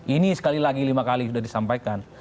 ini sekali lagi lima kali sudah disampaikan